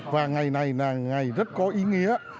và ngày này là ngày rất có ý nghĩa